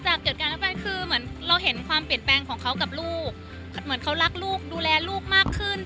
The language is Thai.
อย่างที่ถามมาคือเค้าสร้างความเชื่อใจไว้ใจแบบเราเอง